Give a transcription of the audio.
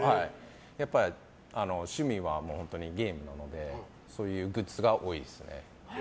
やっぱり趣味はゲームなのでそういうグッズが多いですね。